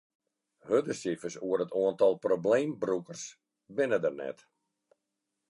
Hurde sifers oer it oantal probleembrûkers binne der net.